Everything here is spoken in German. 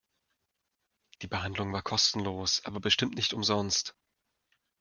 Die Behandlung war kostenlos, aber bestimmt nicht umsonst.